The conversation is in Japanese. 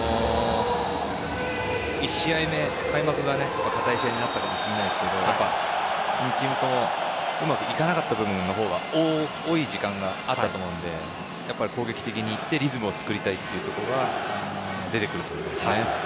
１試合目、開幕が堅い試合になったかもしれませんが両チームともうまくいかなかった部分のほうが多い時間があったと思うので攻撃的にいってリズムを作りたいということが出てくると思います。